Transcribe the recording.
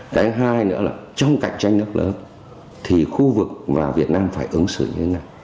cái hai nữa là trong cạnh tranh nước lớn thì khu vực và việt nam phải ứng xử như thế nào